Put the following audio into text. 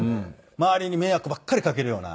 周りに迷惑ばっかりかけるような。